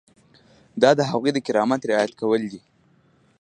دا د هغوی د کرامت رعایت کول دي.